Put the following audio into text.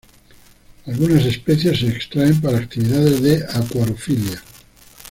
Algunas especies se extraen para actividades de acuariofilia.